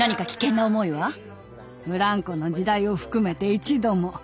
フランコの時代を含めて一度も。